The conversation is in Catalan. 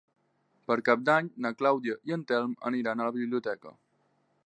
Per Cap d'Any na Clàudia i en Telm aniran a la biblioteca.